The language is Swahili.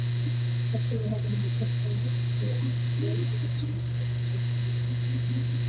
Hakika ni nafasi ya wanamuziki wengi wachanga kujifunza